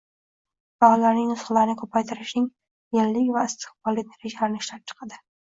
va ularning nusxalarini ko`paytirishning yillik va istiqbolli rejalarini ishlab chiqadi;